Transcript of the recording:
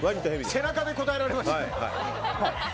背中で答えられました。